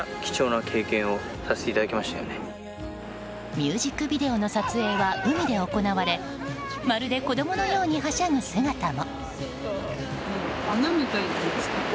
ミュージックビデオの撮影は海で行われまるで子供のようにはしゃぐ姿も。